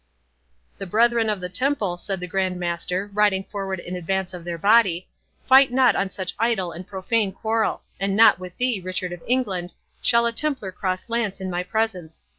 "The Brethren of the Temple," said the Grand Master, riding forward in advance of their body, "fight not on such idle and profane quarrel—and not with thee, Richard of England, shall a Templar cross lance in my presence.